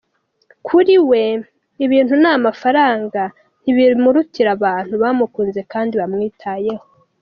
Kuri we, ibintu n’amafaranga ntibimurutira abantu bamukunze kandi bamwitayeho.